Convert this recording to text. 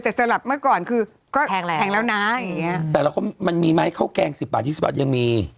สำหรับเมื่อก่อนคือก็แพงแล้วนะแต่มันมีไม้เข้าแกล้ง๑๐บาท๒๐บาทยังมี